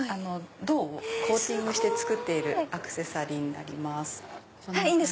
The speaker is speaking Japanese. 銅をコーティングして作っているアクセサリーになります。